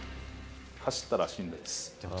走ったらしんどいです。